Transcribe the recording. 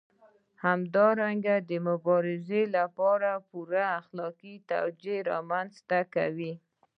همدارنګه د مبارزې لپاره پوره اخلاقي توجیه رامنځته کوي.